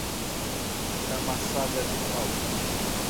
Camaçada de pau